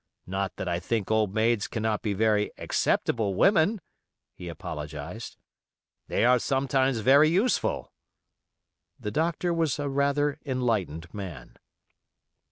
Not that I think old maids cannot be very acceptable women," he apologized. "They are sometimes very useful." The doctor was a rather enlightened man.